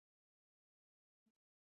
তাহলে কিসের জন্য কাতরাচ্ছো?